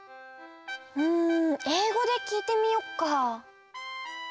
うんえいごできいてみよっか。